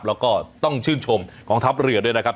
แล้วก็ต้องชื่นชมกองทัพเรือด้วยนะครับ